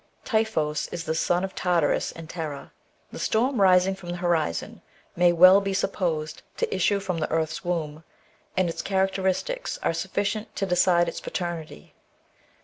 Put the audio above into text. Typhoeus is the son of Tartarus and Terra ; the storm rising from the horizon may well be supposed to issue from the earth's womb, and its characteristics are sufficient to decide its paternity.